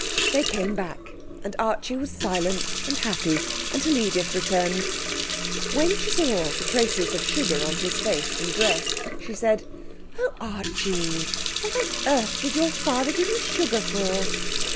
They came back, and Archie was silent and happy until Edith returned. When she saw traces of sugar on his face and dress she said 'Oh, Archie! What on earth did your father give you sugar for?'